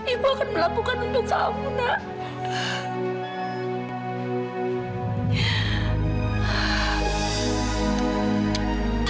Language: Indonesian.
ibu akan melakukan untuk kamu nak